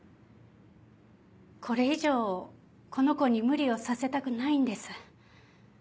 これ以上この子に無理をさせたくないんです。